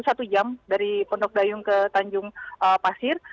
satu jam dari pondok dayung ke tanjung pasir